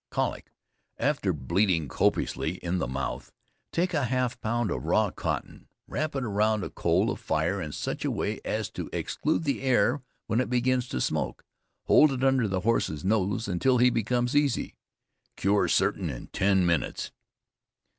Colic. After bleeding copiously in the mouth, take a half pound of raw cotton, wrap it around a coal of fire in such a way as to exclude the air; when it begins to smoke, hold it under the horse's nose until he becomes easy. Cure certain in ten minutes.